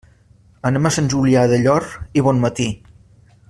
Anem a Sant Julià del Llor i Bonmatí.